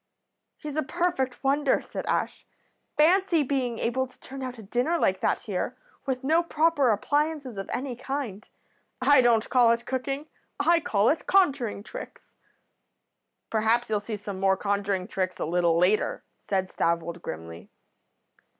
"'He's a perfect wonder,' said Ash. 'Fancy being able to turn out a dinner like that here, with no proper appliances of any kind. I don't call it cooking; I call it conjuring tricks.' "'Perhaps you'll see some more conjuring tricks a little later,' said Stavold, grimly.